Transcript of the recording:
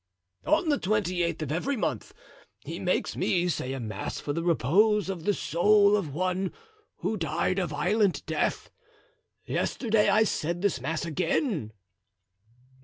"On the twenty eighth of every month he makes me say a mass for the repose of the soul of one who died a violent death; yesterday I said this mass again."